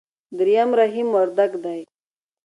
درېم رحيم وردګ دی.